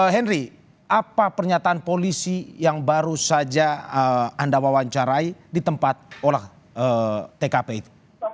henry apa pernyataan polisi yang baru saja anda wawancarai di tempat olah tkp itu